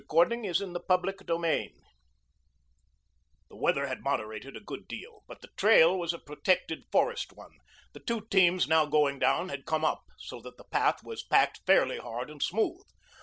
CHAPTER XXXI SHEBA DIGS The weather had moderated a good deal, but the trail was a protected forest one. The two teams now going down had come up, so that the path was packed fairly hard and smooth.